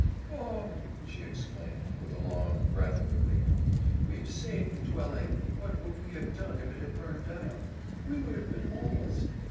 "Oh h," she exclaimed, with a long breath of relief, "we've saved the dwelling. What would we have done if it had burned down! We would have been homeless."